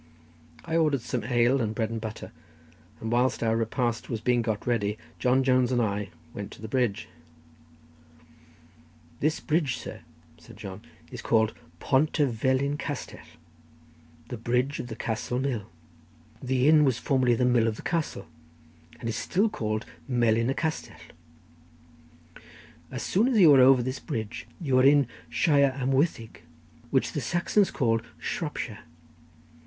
I ordered some ale and bread and butter, and whilst our repast was being got ready, John Jones and I went to the bridge. "This bridge, sir," said John, "is called Pont y Velin Castell, the bridge of the Castle Mill; the inn was formerly the mill of the castle, and is still called Melin y Castell. As soon as you are over the bridge you are in shire Amwythig, which the Saxons call Shropshire.